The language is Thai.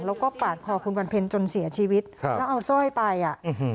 แล้วก็ปาดคอคุณวันเพ็ญจนเสียชีวิตครับแล้วเอาสร้อยไปอ่ะอืม